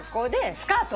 スカート？